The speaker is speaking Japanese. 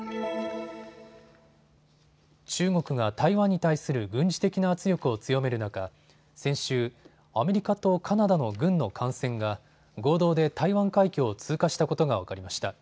中国が台湾に対する軍事的な圧力を強める中、先週、アメリカとカナダの軍の艦船が合同で台湾海峡を通過したことが分かりました。